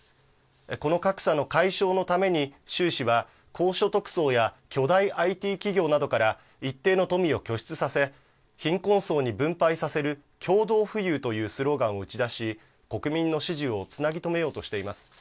この格差の解消のために習氏は、高所得層や、巨大ＩＴ企業などから一定の富を拠出させ、貧困層に分配される共同富裕というスローガンを打ち出し、国民の支持をつなぎ止めようとしています。